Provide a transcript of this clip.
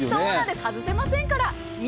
外せませんからね。